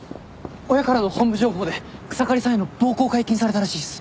親からの本部情報で草刈さんへの暴行解禁されたらしいっす。